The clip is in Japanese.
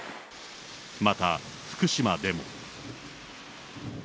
また、福島でも。